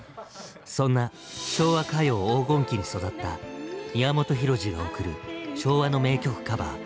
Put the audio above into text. そんな「昭和歌謡黄金期」に育った宮本浩次が贈る「昭和の名曲カバー」。